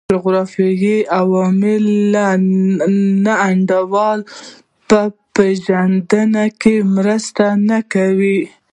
جغرافیوي عوامل د نا انډولۍ په پېژندنه کې مرسته نه کوي.